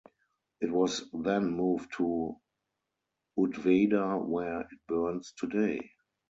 It was then moved to Udvada where it burns today.